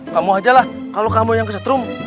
kamu aja lah kalau kamu yang kesetrum